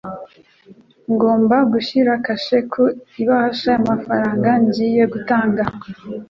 Ngomba gushyira kashe ku ibahasha y’amafaranga ngiye gutanga.